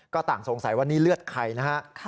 ก็ต่างสงสัยว่านี่เลือดใครนะฮะ